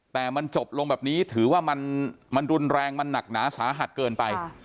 แต่มันจบลงแบบนี้ถือว่ามันรุนแรงมันหนักหนาสาหัสเกินไป